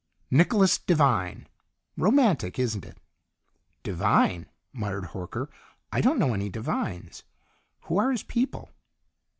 "Nicholas Devine. Romantic, isn't it?" "Devine," muttered Horker. "I don't know any Devines. Who are his people?"